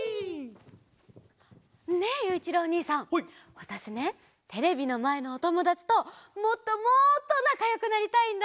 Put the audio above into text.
わたしねテレビのまえのおともだちともっともっとなかよくなりたいんだ。